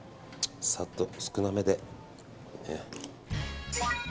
サッと少なめで。